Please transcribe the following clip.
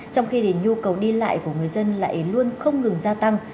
trong khi nhu cầu đi lại của người dân lại luôn không ngừng gia tăng